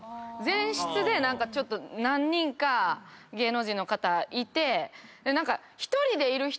前室で何かちょっと何人か芸能人の方いて。